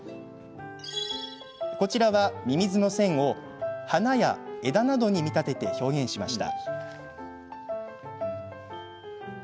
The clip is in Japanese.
こちらはミミズの線を花や枝などに見立てて表現しました。